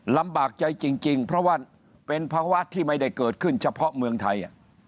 ลำบากใจจริงเพราะว่าเป็นภาวะที่ไม่ได้เกิดขึ้นเฉพาะเมืองไทย